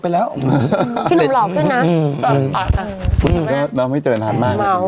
ไปแล้วพี่หนุ่มหล่อขึ้นนะอืมอืมอืมน้องไม่เจอนานมากอ้าว